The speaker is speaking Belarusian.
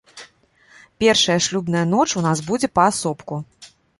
Першая шлюбная ноч у нас будзе паасобку.